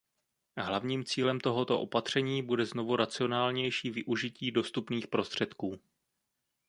Hlavním cílem tohoto opatření bude znovu racionálnější využití dostupných prostředků.